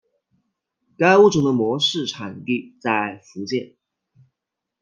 该物种的模式产地在福建。